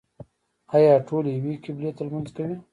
آیا ټول یوې قبلې ته لمونځ کوي؟